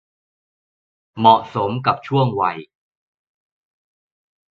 เหมาะสมกับช่วงวัย